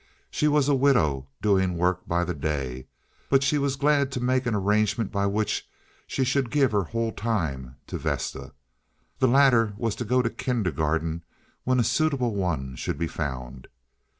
She was a widow, doing work by the day, but she was glad to make an arrangement by which she should give her whole time to Vesta. The latter was to go to kindergarten when a suitable one should be found.